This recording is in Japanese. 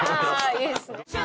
いいですね。